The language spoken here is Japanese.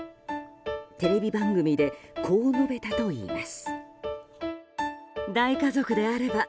テレビ番組でこう述べたといいます。